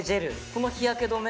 この日焼け止め